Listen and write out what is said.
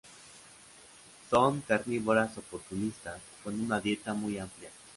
Son carnívoras oportunistas con una dieta muy amplia.